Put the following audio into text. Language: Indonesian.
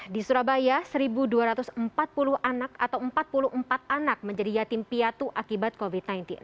di surabaya satu dua ratus empat puluh anak atau empat puluh empat anak menjadi yatim piatu akibat covid sembilan belas